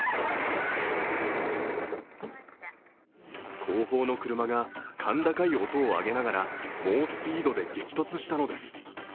後方の車が甲高い音をあげながら猛スピードで激突したのです。